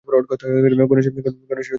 গণেশের এখানে হাত নেই!